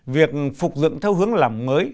việc phục dựng theo hướng lầm mới